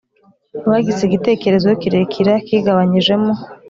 bagize igitekerezo kirekira kigabanyijemo